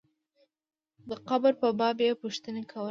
د قبر په باب یې پوښتنې کولې.